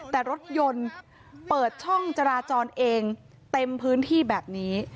แต่รถยนต์เปิดช่องจราจรเองเต็มพื้นที่แบบนี้